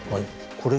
これ。